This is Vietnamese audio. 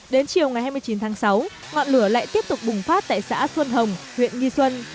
đến chiều ngày hai mươi chín tháng sáu ngọn lửa lại tiếp tục bùng phát tại xã xuân hồng huyện nghi xuân